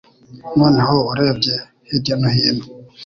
Noneho urebye hirya no hino